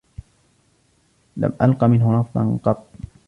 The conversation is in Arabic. لم ألقَ منهُ رفضًا قطّ.